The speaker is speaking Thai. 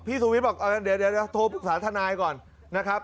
สุวิทย์บอกเดี๋ยวโทรปรึกษาทนายก่อนนะครับ